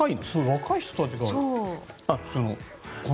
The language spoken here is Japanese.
若い人たちが。